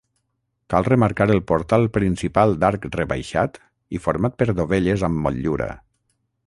Cal remarcar el portal principal d'arc rebaixat i format per dovelles amb motllura.